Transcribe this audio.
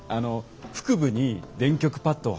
腹部に電極パッドを貼って。